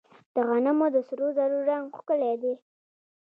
د غنمو د سرو زرو رنګ ښکلی دی.